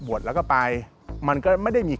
แล้วก็ไปมันก็ไม่ได้มี